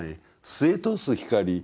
すえ通す光。